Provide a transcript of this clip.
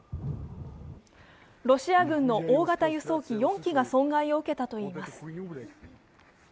ロシア軍の大型輸送機４機が損害を受けたといいます。